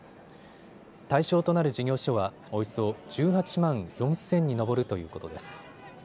対象となる事業所はおよそ１８万４０００に上るということです。